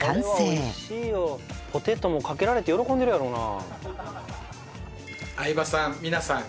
ポテトもかけられて喜んでるやろな。